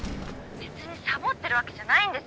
「別にサボってるわけじゃないんです」